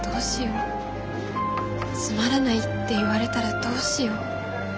つまらないって言われたらどうしよう。